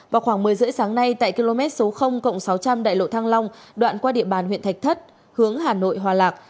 vào khoảng một mươi h ba mươi sáng nay tại km số sáu trăm linh đại lộ thăng long đoạn qua địa bàn huyện thạch thất hướng hà nội hòa lạc